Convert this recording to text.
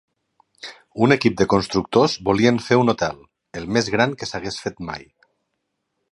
Un equip de constructors volien fer un hotel: el més gran que s'hagués fet mai.